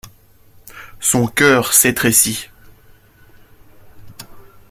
Son cœur s'étrécit.